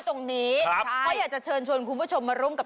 ตรงนี้เพราะอยากจะเชิญชวนคุณผู้ชมมาร่วมกับ